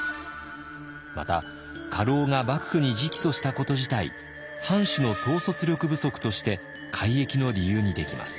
また家老が幕府に直訴したこと自体藩主の統率力不足として改易の理由にできます。